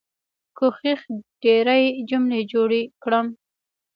کوښښ ډيرې جملې جوړې کړم.